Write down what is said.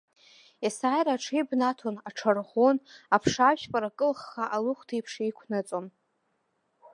Есааира аҽеибнаҭон, аҽарӷәӷәон, аԥша ажәпара кылхха алыхәҭеиԥш иқәнаҵон.